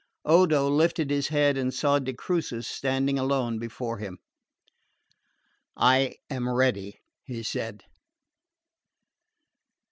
Odo lifted his head and saw de Crucis standing alone before him. "I am ready," he said.